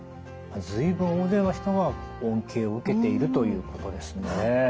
随分大勢の人が恩恵を受けているということですね。